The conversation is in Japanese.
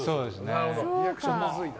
リアクションむずいな。